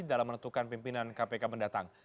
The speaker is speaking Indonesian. dalam menentukan pimpinan kpk mendatang